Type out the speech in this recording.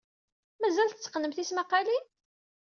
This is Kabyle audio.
Mazal tetteqqnem tismaqqalin?